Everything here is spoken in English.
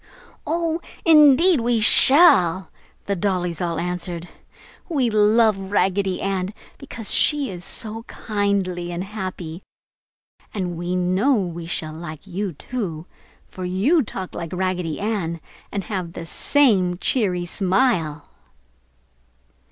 "Oh, indeed we shall!" the dollies all answered. "We love Raggedy Ann because she is so kindly and happy, and we know we shall like you too, for you talk like Raggedy Ann and have the same cheery smile!"